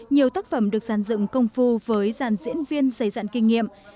nhiều tác phẩm được sản dựng công phu với giàn diễn viên xây dạng kinh nghiệm